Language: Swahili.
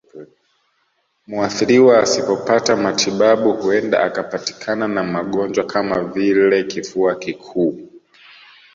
Muathiriwa asipopata matibabu huenda akapatikana na magonjwa kama vile kifua kikuu